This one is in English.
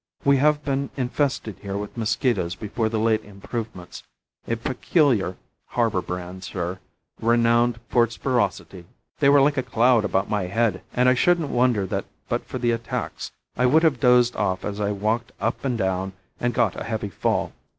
We have been infested here with mosquitoes before the late improvements; a peculiar harbour brand, sir, renowned for its ferocity. They were like a cloud about my head, and I shouldn't wonder that but for their attacks I would have dozed off as I walked up and down, and got a heavy fall.